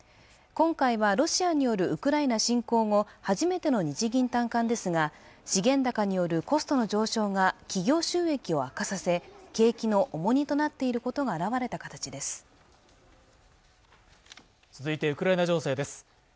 今回はロシアによるウクライナ侵攻後初めての日銀短観ですが資源高によるコストの上昇が企業収益を悪化させ景気の重荷となっていることが表れた形です続いてウクライナ情勢です